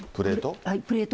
プレート？